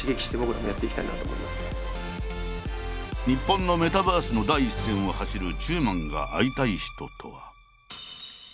日本のメタバースの第一線を走る中馬が会いたい人とは。